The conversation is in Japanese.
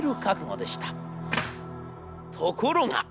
ところが！